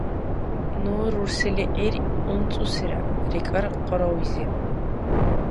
— Ну рурсилигӀир умцӀусира, — рикӀар къарауйзи.